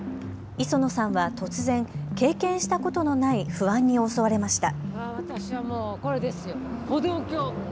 磯野さんは突然、経験したことのない不安に襲われました。